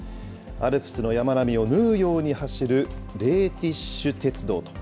アルプスの山並みを縫うように走るレーティッシュ鉄道。